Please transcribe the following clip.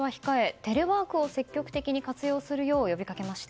テレワークを積極的に活用するよう呼びかけました。